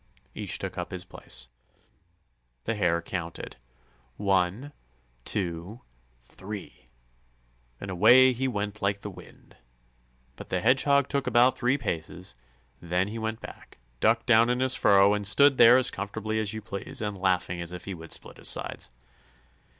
Each took up his place. The Hare counted: "One, two, three!" And away he went like the wind. But the Hedgehog took about three paces, then he went back, ducked down in his furrow, and stood there as comfortably as you please, and laughing as if he would split his sides.